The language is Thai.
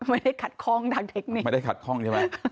ไม่ได้ขัดข้องทางเทคนิคไม่ได้ขัดข้องใช่ไหม